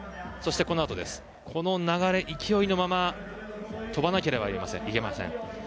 この流れ、勢いのまま飛ばなければいけません。